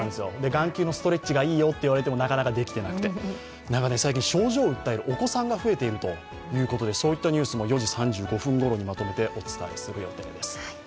眼球のストレッチがいいよって言われてもなかなかできていなくて、最近、症状を訴えるお子さんが増えているということでそういったニュースも４時３５分ごろにまとめてお伝えする予定です。